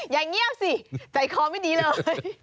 ยายเงียบสิใจคอไม่ดีเลย